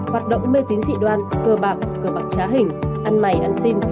hoạt động mê tín dị đoan cơ bạc cơ bạc trá hình ăn mày ăn xin